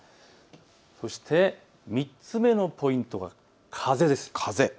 そして３つ目のポイントが風です。